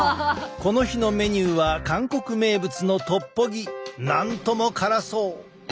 この日のメニューは韓国名物のなんとも辛そう。